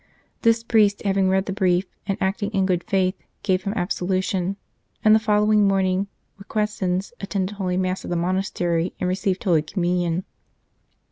This priest, having read the brief and acting in good faith, gave him absolution, and the following morning Requesens attended Holy Mass at the monastery and received Holy Communion.